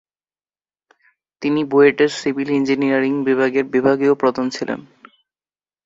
তিনি বুয়েটের civil engineering বিভাগের বিভাগীয় প্রধান ছিলেন।